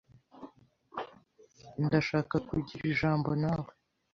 Ndashaka kugira ijambo nawe.